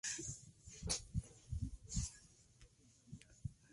Actualmente es el segundo entrenador del Huracán Valencia Club de Fútbol.